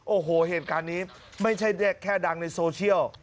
โอ้โหเหตุการณ์นี้ไม่ใช่แค่ดังในโซเชียล